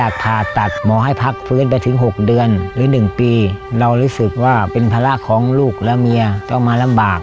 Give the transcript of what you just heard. ขอให้พักฟื้นไปถึงหกเดือนหรือหนึ่งปีเรารู้สึกว่าเป็นพัฒนาของลูกแล้วเมียต้องมาลำบาก